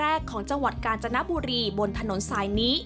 แรกของจังหวัดกาญจนบุรีบนถนนสายนี้